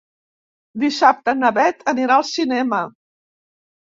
Dissabte na Bet anirà al cinema.